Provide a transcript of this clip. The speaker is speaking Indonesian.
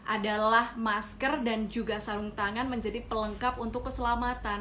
adalah masker dan juga sarung tangan menjadi pelengkap untuk keselamatan